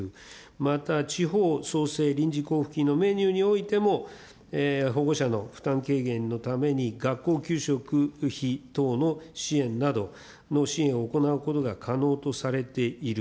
また地方創生臨時交付金のメニューにおいても、保護者の負担軽減のために学校給食費等の支援などの支援を行うことが可能とされている。